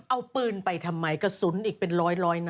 เอาปืนไปทำไมกระสุนอีกเป็นร้อยนัด